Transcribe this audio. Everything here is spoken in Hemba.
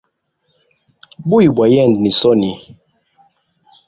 Buya bwa yende ni soni.